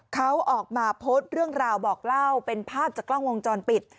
เขาออกมาโพสต์เรื่องราวบอกเล่าเป็นภาพจากกล้องวงจรปิด